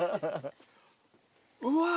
うわ！